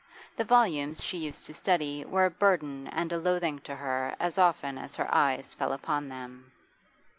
The volumes she used to study were a burden and a loathing to her as often as her eyes fell upon them.